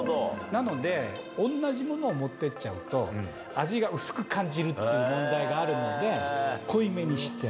なので、おんなじものを持っていっちゃうと、味が薄く感じるっていう問題があるので、濃いめにして。